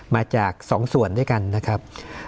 มาจาก๒ส่วนด้วยกันนะครับ